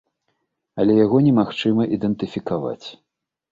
Але яго немагчыма ідэнтыфікаваць.